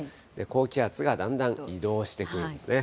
高気圧がだんだん移動してくるんですね。